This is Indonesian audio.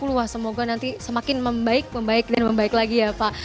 wah semoga nanti semakin membaik membaik dan membaik lagi ya pak